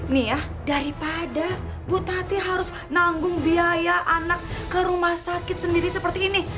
nih ya daripada bu tati harus nanggung biaya anak ke rumah sakit sendiri seperti ini